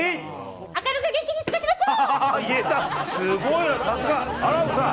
明るく元気に過ごしましょう！